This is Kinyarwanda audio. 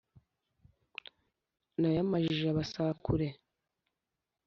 nayamajije abasakure